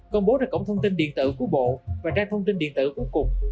công bố ra cổng thông tin điện tử của bộ và ra thông tin điện tử cuối cùng